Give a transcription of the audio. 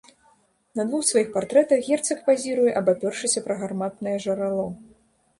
На двух сваіх партрэтах герцаг пазіруе, абапёршыся пра гарматнае жарало.